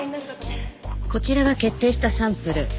こちらが決定したサンプル。